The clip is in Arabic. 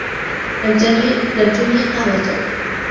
لم تنهِ قهوتك.